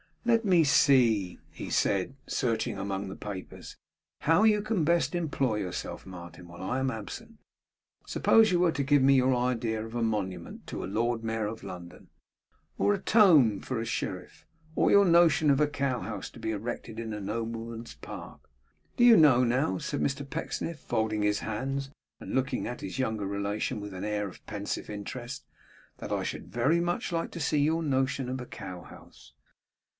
'Let me see,' he said, searching among the papers, 'how you can best employ yourself, Martin, while I am absent. Suppose you were to give me your idea of a monument to a Lord Mayor of London; or a tomb for a sheriff; or your notion of a cow house to be erected in a nobleman's park. Do you know, now,' said Mr Pecksniff, folding his hands, and looking at his young relation with an air of pensive interest, 'that I should very much like to see your notion of a cow house?